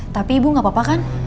tapi ibu gak apa apa kan